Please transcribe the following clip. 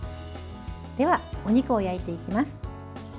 では、お肉を焼いていきます。